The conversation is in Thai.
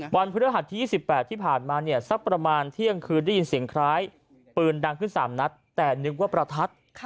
พฤหัสที่๒๘ที่ผ่านมาเนี่ยสักประมาณเที่ยงคืนได้ยินเสียงคล้ายปืนดังขึ้น๓นัดแต่นึกว่าประทัด